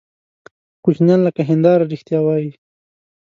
کوچنیان لکه هنداره رښتیا وایي.